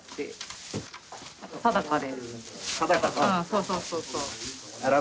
そうそうそうそう。